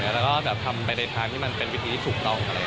แล้วก็ทำไปในทางที่มันเป็นวิธีที่ถูกต้อง